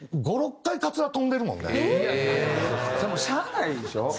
それはしゃあないでしょ？